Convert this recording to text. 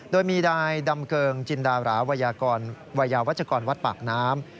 โดยมีนายดำเกิงจินดาราวัยยาวัชกรวัดปากน้ำ